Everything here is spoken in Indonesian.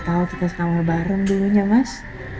ya mungkin juga kita sekamar bareng dulunya mas